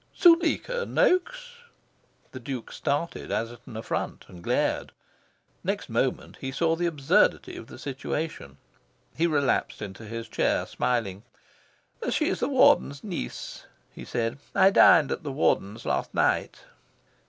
Zuleika Noaks! The Duke started, as at an affront, and glared. Next moment, he saw the absurdity of the situation. He relapsed into his chair, smiling. "She's the Warden's niece," he said. "I dined at the Warden's last night."